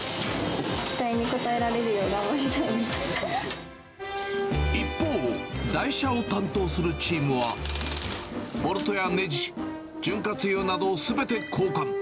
期待に応えられるよう頑張り一方、台車を担当するチームは、ボルトやねじ、潤滑油など、すべて交換。